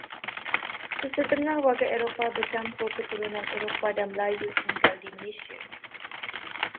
Sesetengah warga Eropah bercampur keturunan Eropah dan Melayu tinggal di Malaysia.